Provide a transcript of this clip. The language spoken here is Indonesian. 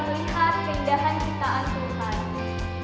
melihat keindahan kitaan seluruh hari